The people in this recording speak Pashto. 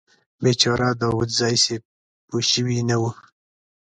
بیچاره داوودزی صیب پوه شوي نه و.